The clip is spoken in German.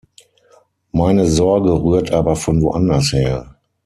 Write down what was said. Meine Sorge rührt aber von woanders her.